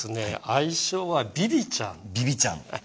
愛称はビビちゃんビビちゃん